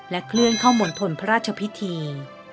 และเคลื่อนเข้ามนตรพระราชพิธี